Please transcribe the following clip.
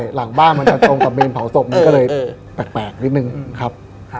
หลังบ้านมันจะตรงกับเมนเผาศพมันก็เลยแปลกนิดนึงครับ